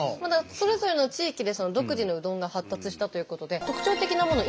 それぞれの地域で独自のうどんが発達したということで特徴的なもの